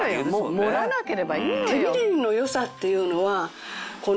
漏らなければいいのよ」